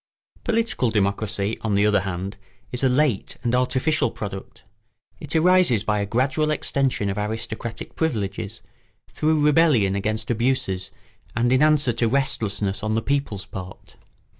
] Political democracy, on the other hand, is a late and artificial product. It arises by a gradual extension of aristocratic privileges, through rebellion against abuses, and in answer to restlessness on the people's part.